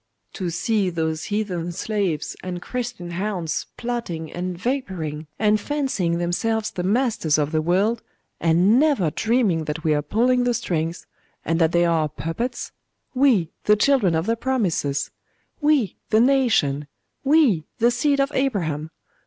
To see those heathen slaves and Christian hounds plotting and vapouring, and fancying themselves the masters of the world, and never dreaming that we are pulling the strings, and that they are our puppets! we, the children of the promises we, The Nation we, the seed of Abraham!